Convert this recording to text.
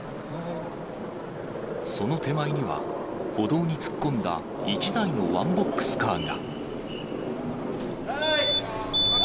その手前には、歩道に突っ込んだ一台のワンボックスカーが。